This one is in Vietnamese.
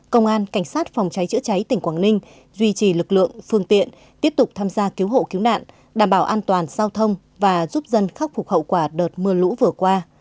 công an cảnh sát phòng cháy chữa cháy tỉnh quảng ninh duy trì lực lượng phương tiện tiếp tục tham gia cứu hộ cứu nạn đảm bảo an toàn giao thông và giúp dân khắc phục hậu quả đợt mưa lũ vừa qua